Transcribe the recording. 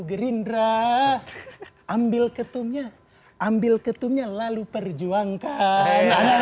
gerindra ambil ketumnya ambil ketumnya lalu perjuangkan